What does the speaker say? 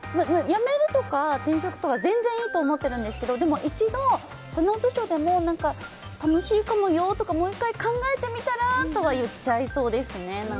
辞めるとか転職とかは全然いいと思ってるんですけどでも一度、その部署でも楽しいかもよとかもう１回考えてみたらとかは言っちゃいそうですね。